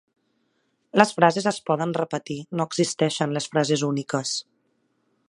Les frases es poden repetir, no existeixen les frases úniques.